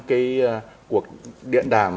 cái cuộc điện đàm